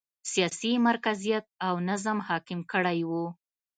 سیاسي مرکزیت او نظم حاکم کړی و.